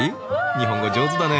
日本語上手だね。